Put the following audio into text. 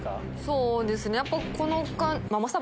そうですね。